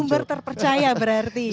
sumber terpercaya berarti ya